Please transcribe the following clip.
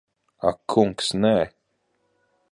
Ak kungs, nē.